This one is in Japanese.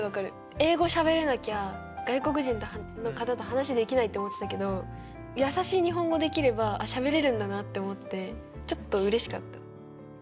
英語しゃべれなきゃ外国人の方と話できないと思ってたけどやさしい日本語できればあっしゃべれるんだなって思ってちょっとうれしかった。